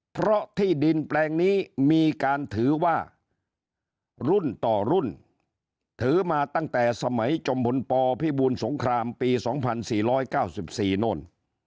เพราะที่ดินแปลงนี้มีการถือว่ารุ่นต่อรุ่นถือมาตั้งแต่สมัยจมบุญปพิบูลสงครามปี๒๔๙๔โน่น